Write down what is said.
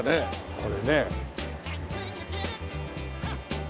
これね。